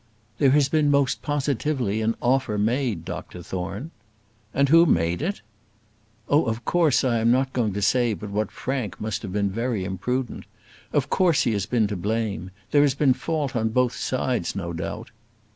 "There has been most positively an offer made, Dr Thorne." "And who made it?" "Oh, of course I am not going to say but what Frank must have been very imprudent. Of course he has been to blame. There has been fault on both sides, no doubt."